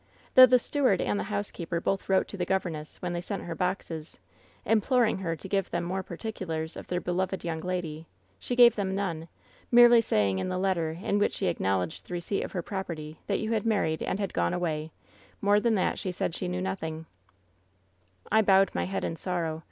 Though the steward and the housekeeper both 1 204 WHEN SHADOWS DIE wrote to the governess — ^when they sent her boxes — im ploring her to give them more particulars ctf their be loved young lady, she gave them none, merely saying in the letter in which she acknowledged the receipt of her property that you had married and had gone away — more than that she said she knew nothing/ "I bowed my head in sorrow.